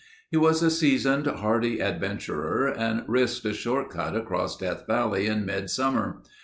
He was a seasoned, hardy adventurer and risked a short cut across Death Valley in mid summer.